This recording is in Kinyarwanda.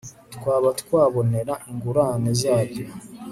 twaba twabonera ingurane zabyo